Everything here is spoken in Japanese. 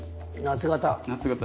夏型。